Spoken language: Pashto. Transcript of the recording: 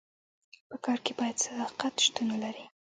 په کار کي باید صداقت شتون ولري.